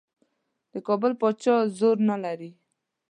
د کابل پاچا زور نه لري.